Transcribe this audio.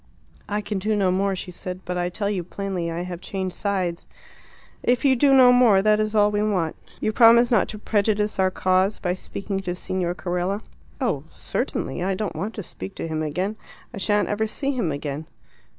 "I can do no more," she said. "But I tell you plainly I have changed sides." "If you do no more, that is all we want. You promise not to prejudice our cause by speaking to Signor Carella?" "Oh, certainly. I don't want to speak to him again; I shan't ever see him again."